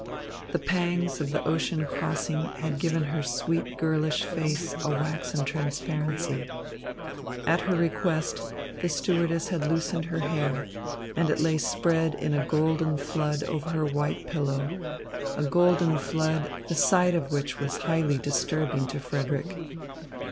The pangs of the ocean crossing had given her sweet girlish face a waxen transparency. At her request the stewardess had loosened her hair, and it lay spread in a golden flood over her white pillow, a golden flood, the sight of which was highly disturbing to Frederick.